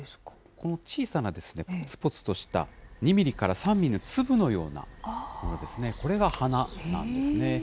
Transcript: この小さなぽつぽつとした２ミリから３ミリの粒のようなものですね、これが花なんですね。